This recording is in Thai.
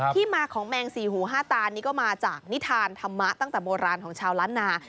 ที่มาของแมงสี่หูห้าตานี่ก็มาจากนิทานธรรมะตั้งแต่โบราณของชาวล้านนา